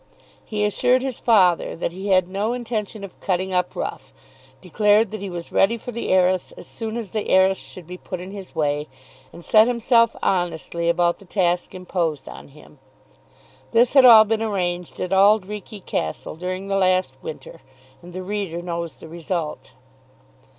He assured his father that he had no intention of "cutting up rough," declared that he was ready for the heiress as soon as the heiress should be put in his way, and set himself honestly about the task imposed on him. This had all been arranged at Auld Reekie Castle during the last winter, and the reader knows the result.